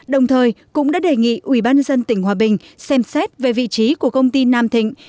đồng thời cũng đã đề nghị ủy ban dân tỉnh hòa bình xem xét về vị trí của công ty nam thịnh